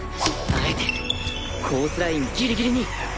あえてコースラインギリギリに